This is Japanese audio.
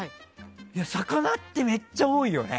魚ってめっちゃ多いよね！